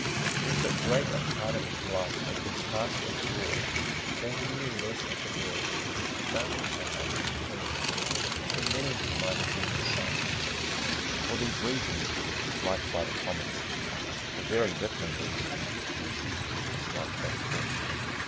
For so great a part of his life had been passed abroad that he knew less of that world in which he found himself on his return than many who might have been his sons. For these reasons he was disliked by the Commons. For very different reasons he was equally disliked by the Court.